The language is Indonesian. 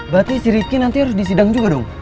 berarti si ricky nanti harus disidang juga dong